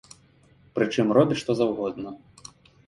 Прычым, робяць што заўгодна.